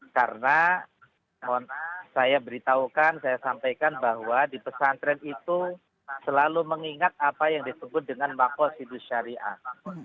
karena saya beritahukan saya sampaikan bahwa di pesantren itu selalu mengingat apa yang disebut dengan makosidus syariah